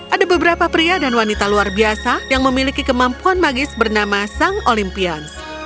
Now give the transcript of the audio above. ada beberapa pria dan wanita luar biasa yang memiliki kemampuan magis bernama sang olympions